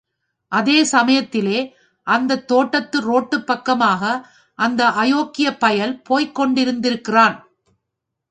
அதே சமயத்திலே அந்தத் தோட்டத்து ரோட்டுப் பக்கமாக அந்த அயோக்கியப் பயல் போய்க் கொண்டிருந்திருக்கிறான்.